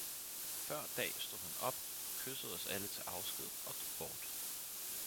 Før dag stod han op, kyssede os alle til afsked og drog bort.